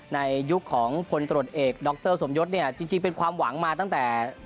ในยุคของพลตรวจเอกดรสมยศเนี่ยจริงเป็นความหวังมาตั้งแต่